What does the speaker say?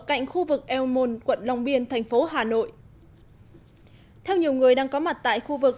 cạnh khu vực el môn quận long biên thành phố hà nội theo nhiều người đang có mặt tại khu vực